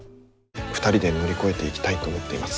２人で乗り越えていきたいと思っています。